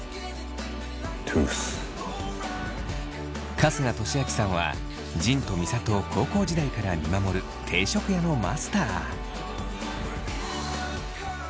春日俊彰さんは仁と美里を高校時代から見守る定食屋のマスター。